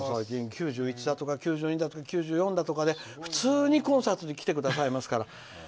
いいな、最近、９１とか９２とか９４とかで、普通にコンサート来てくださいますから。